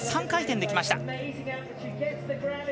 ３回転できました。